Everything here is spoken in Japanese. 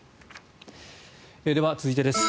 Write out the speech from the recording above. では、続いてです。